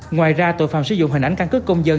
ngoài ra tội phạm sử dụng hình ảnh căn cứ công dân